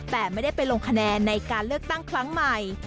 แต่ไม่ได้ไปลงคะแนนในการเลือกตั้งครั้งใหม่